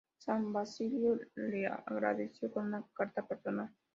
San Basilio le agradeció con una carta personal.